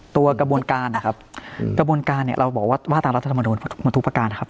ตัวกระบวนการนะครับระบวนการเราบอกว่าตามรัฐธรรมดุมทุกประการครับ